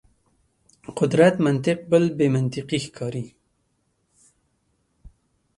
قدرت منطق بل بې منطقي ښکاري.